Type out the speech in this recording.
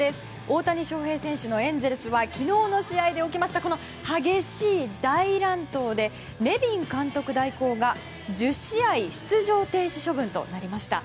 大谷翔平選手のエンゼルスは昨日の試合で起きました激しい大乱闘でネビン監督代行が１０試合出場停止処分となりました。